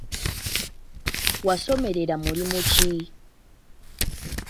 Wasomerera mulimu ki?